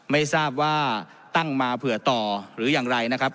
ไม่ทราบว่าตั้งมาเผื่อต่อหรืออย่างไรนะครับ